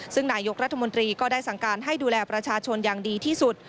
ซึ่งนายกรัฐมนตรีก็ได้สั่งการให้ดูแลประชาชนอย่างดีที่สุด